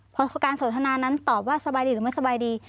พอการสนทนานั้นตอบว่าสบายดีหรือไม่สบายดี